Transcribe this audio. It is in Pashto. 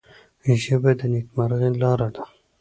ژبه د نیکمرغۍ لاره ده